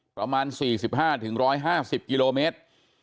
ประมาณ๔๕๑๕๐กิโลเมตร